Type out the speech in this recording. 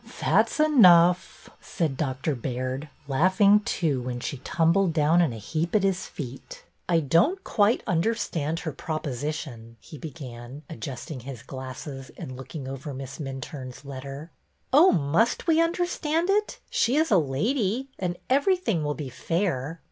'' That 's enough," said Dr. Baird, laughing too when she tumbled down in a heap at his feet. I don't quite understand her proposition," he began, adjusting his glasses and looking over Miss Minturne's letter. ''Oh, must we understand it? She is a lady, and everything will be fair."